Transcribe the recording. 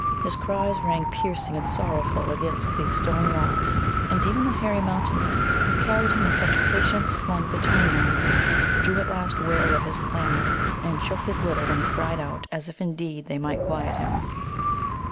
His cries rang piercing and sorrowful against these stone walls, and even the hairy Mountain men, who carried him in such patience slung between them, grew at last weary of his clamour, and shook his litter when he cried out, as if, indeed, that might quiet him.